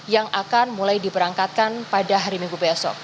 yang akan mulai diberangkatkan pada hari minggu besok